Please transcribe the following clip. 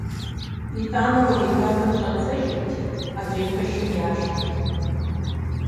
ИтӀанэ уэредадэм щӀадзэжырти, адрей пэшым яшэрт.